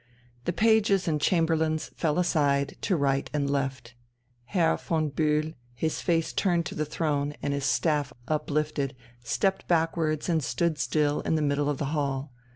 The pages and chamberlains fell aside to right and left. Herr von Bühl, his face turned to the throne and his staff uplifted, stepped backwards and stood still in the middle of the hall.